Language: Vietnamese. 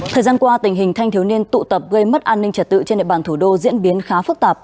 thời gian qua tình hình thanh thiếu niên tụ tập gây mất an ninh trật tự trên địa bàn thủ đô diễn biến khá phức tạp